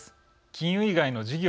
金融以外の事業